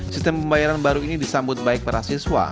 sistem pembayaran baru ini disambut baik para siswa